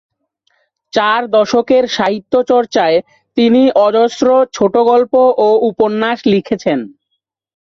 চার দশকের সাহিত্যচর্চ্চায় তিনি অজস্র ছোটগল্প ও উপন্যাস লিখেছেন।